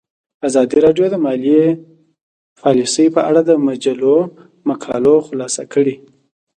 ازادي راډیو د مالي پالیسي په اړه د مجلو مقالو خلاصه کړې.